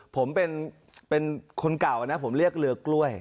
ผมเป็นคนเก่านะผมเรียกเรือกล้วย